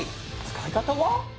使い方は？